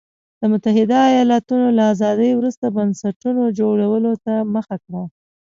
د متحده ایالتونو له ازادۍ وروسته بنسټونو جوړولو ته مخه کړه.